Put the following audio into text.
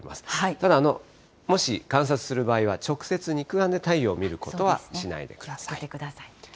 ただ、もし観察する場合は、直接肉眼で太陽を見ることはしないで気をつけてください。